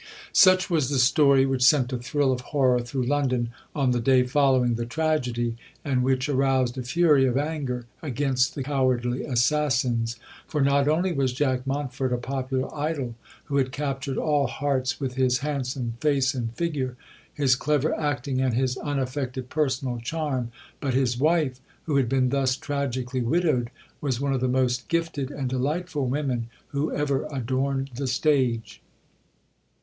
Such was the story which sent a thrill of horror through London on the day following the tragedy, and which aroused a fury of anger against the cowardly assassins; for not only was Jack Montford a popular idol who had captured all hearts with his handsome face and figure, his clever acting and his unaffected personal charm, but his wife, who had been thus tragically widowed, was one of the most gifted and delightful women who ever adorned the stage.